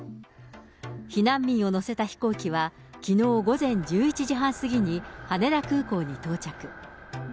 避難民を乗せた飛行機は、きのう午前１１時半過ぎに、羽田空港に到着。